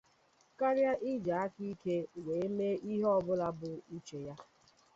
karịa iji aka ike wee mee ihe ọbụla bụ uche ya